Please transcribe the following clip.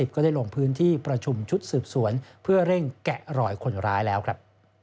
ก็ได้ลงพื้นที่ประชุมชุดสืบสวนเพื่อเร่งแกะรอยคนร้ายแล้วครับ